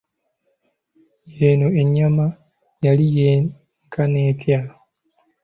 Yenno enyama yali yenkana etya!